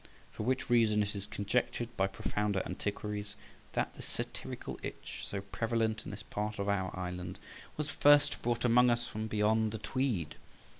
For which reason it is conjectured by profounder antiquaries that the satirical itch, so prevalent in this part of our island, was first brought among us from beyond the Tweed.